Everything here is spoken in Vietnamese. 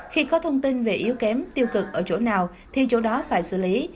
khi có thông tin về yếu kém tiêu cực ở chỗ nào thì chỗ đó phải xử lý